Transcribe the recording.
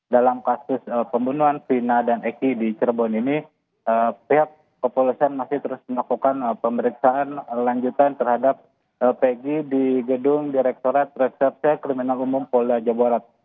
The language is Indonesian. dalam kasus pembunuhan vina dan eki di cirebon ini pihak kepolisian masih terus melakukan pemeriksaan lanjutan terhadap pg di gedung direktorat reserse kriminal umum polda jawa barat